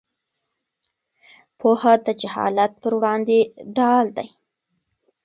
پوهه د جهالت پر وړاندې ډال دی.